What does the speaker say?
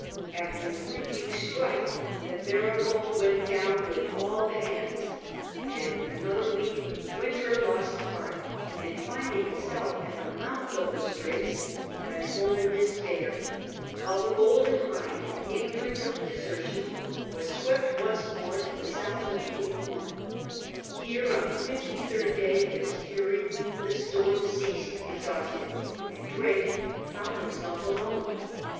After three weeks' strife, the Mary gold went down with all hands ; and in another week Wynter lost heart, and finding himself at the mouth of the Straits, went home in 78 SI^ FRANCIS DRAKE chap. despair ; while the Oolden Hvndy ignorant of the deser tion, was swept once more to the south of Cape Horn. Here, on the fifty third day of its fury, the storm ceased exhausted, and Drake found himself alone.